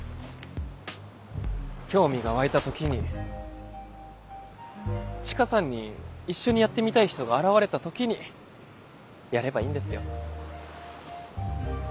興味が湧いた時にチカさんに一緒にやってみたい人が現れた時にやればいいんですよ。